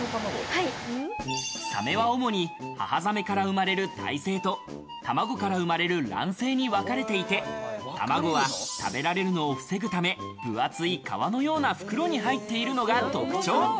サメは主に母ザメから生まれる胎生と卵から生まれる卵生にわかれていて、卵は食べられるのを防ぐため、分厚い皮のような袋に入っているのが特徴。